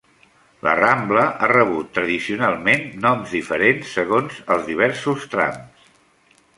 La Rambla ha rebut tradicionalment noms diferents segons els diversos trams.